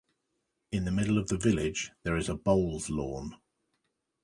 In the middle of the village there is a bowls lawn.